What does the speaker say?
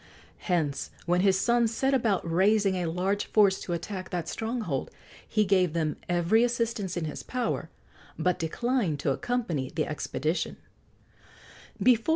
Hence, when his sons set about raising a large force to attack that stronghold, he gave them every assistance in his power, but declined to accompany the expedition.